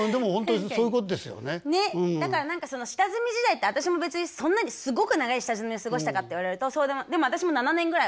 だから何かその下積み時代って私も別にそんなにすごく長い下積みを過ごしたかって言われるとそうでもない。